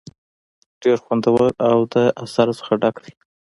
ډېر خوندور او د اثر نه ډک دے ۔